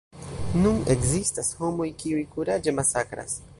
Nun ekzistas homoj, kiuj kuraĝe masakras.